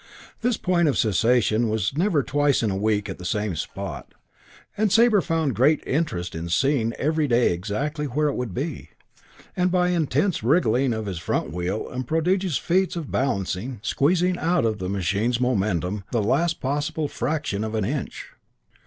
This point of cessation was never twice in a week at the same spot; and Sabre found great interest in seeing every day exactly where it would be, and by intense wriggling of his front wheel and prodigious feats of balancing, squeezing out of the machine's momentum the last possible fraction of an inch.